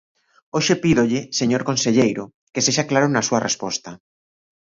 Hoxe pídolle, señor conselleiro, que sexa claro na súa resposta.